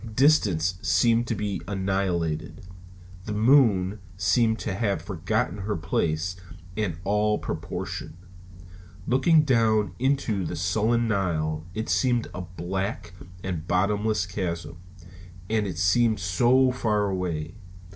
Distance seemed to be annihilated. The moon seemed to have forgotten her place and all proportion. Looking down into the sullen Nile, it seemed a black and bottomless chasm. And it seemed so far away!